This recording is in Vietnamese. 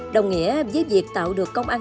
đồng nghĩa với việc tạo được công ăn